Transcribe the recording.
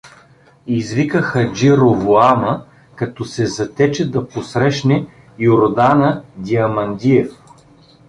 Извика Хаджи Ровоама, като се затече да посрещне Юрдана Диамандиев.